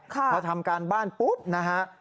พอทำการบ้านปุ๊บนะฮะ